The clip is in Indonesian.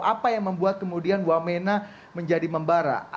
apa yang membuat kemudian wamena menjadi membara